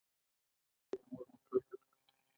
آیا موږ مسوول یو؟